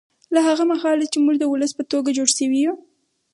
له هغه مهاله چې موږ د ولس په توګه جوړ شوي یو